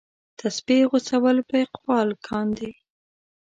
تسپې غوڅول په اقبال کاندي.